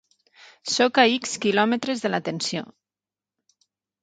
Sóc a ics quilòmetres de la tensió.